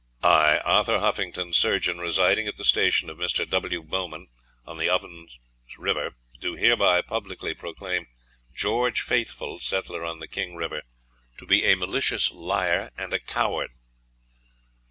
"I, Arthur Huffington, surgeon, residing at the station of Mr. W. Bowman, on the Ovens River, do hereby publicly proclaim George Faithful, settler on the King River, to be a malicious liar and a coward.